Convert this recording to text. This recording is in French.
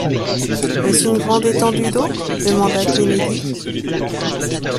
Est-ce une grande étendue d’eau? demanda Kennedy.